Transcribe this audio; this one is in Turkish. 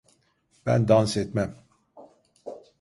Ben dans etmem.